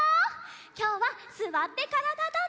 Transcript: きょうは「すわってからだ☆ダンダン」。